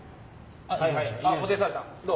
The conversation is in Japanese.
どう？